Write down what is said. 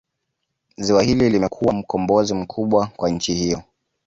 Ziwa hili limekuwa mkombozi mkubwa kwa nchi hiyo